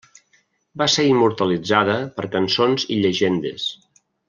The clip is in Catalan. Va ser immortalitzada per cançons i llegendes.